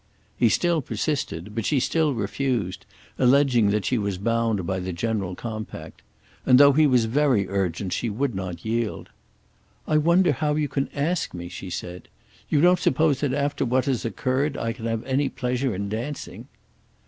He still persisted, but she still refused, alleging that she was bound by the general compact; and though he was very urgent she would not yield. "I wonder how you can ask me," she said. "You don't suppose that after what has occurred I can have any pleasure in dancing."